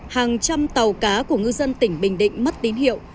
hàng trăm tàu cá của ngư dân tỉnh bình định mất tín hiệu